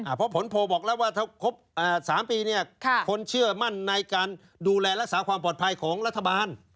เพราะผลโพลบอกแล้วว่าถ้าครบ๓ปีคนเชื่อมั่นในการดูแลรักษาความปลอดภัยของรัฐบาล